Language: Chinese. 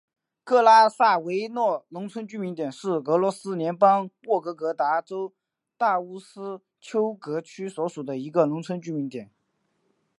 克拉萨维诺农村居民点是俄罗斯联邦沃洛格达州大乌斯秋格区所属的一个农村居民点。